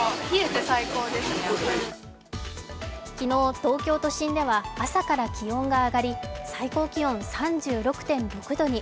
昨日、東京都心では朝から気温が上がり、最高気温３６．６度に。